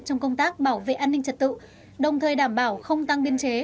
trong công tác bảo vệ an ninh trật tự đồng thời đảm bảo không tăng biên chế